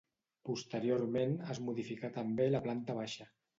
Posteriorment es modificà també la planta baixa.